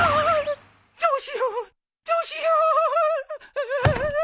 どうしようどうしようああ。